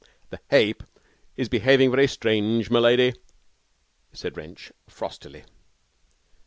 'The hape is behaving very strange, m'lady,' said Wrench, frostily.